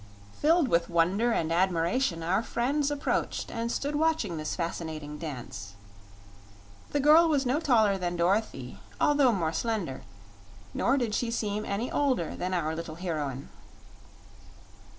Filled with wonder and admiration our friends approached and stood watching this fascinating dance. The girl was no taller than Dorothy, although more slender; nor did she seem any older than our little heroine.